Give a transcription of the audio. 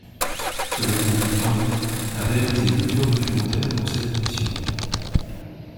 Cela conduit Parry à réaliser plusieurs documentaires pour cette émission.